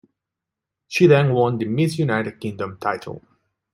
She then won the Miss United Kingdom title.